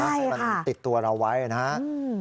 ใช่ค่ะให้มันติดตัวเราไว้นะอืม